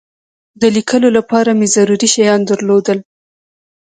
د لیکلو لپاره مې ضروري شیان درلودل.